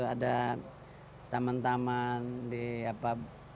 ada taman taman di apa